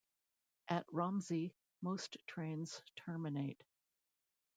At Romsey most trains terminate.